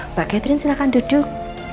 mbak catherine silahkan duduk